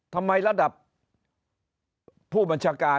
ระดับผู้บัญชาการ